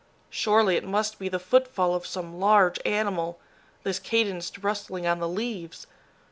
Surely, it must be the footfall of some large animal, this cadenced rustling on the leaves!